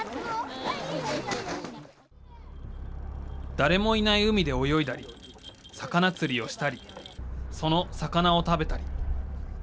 誰もいない海で泳いだり、魚釣りをしたり、その魚を食べたり。